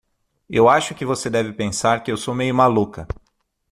Eu acho que você deve pensar que eu sou meio maluca.